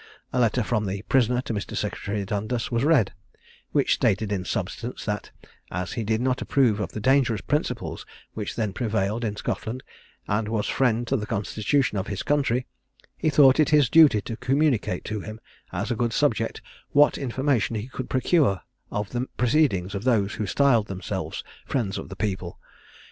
A letter from the prisoner to Mr. Secretary Dundas was read, which stated in substance that, as he did not approve of the dangerous principles which then prevailed in Scotland, and was friend to the constitution of his country, he thought it his duty to communicate to him, as a good subject, what information he could procure of the proceedings of those who styled themselves "Friends of the People."